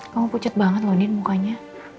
kamu pucat banget loh nien mukanya